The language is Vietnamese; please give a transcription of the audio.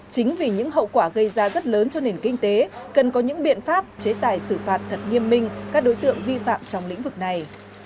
chính vì những hậu quả gây ra rất lớn cho nền kinh tế cần có những biện pháp chế tài xử phạt thật nghiêm minh các đối tượng vi phạm trong lĩnh vực này